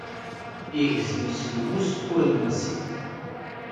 Igezzem s lmus ur nemsid.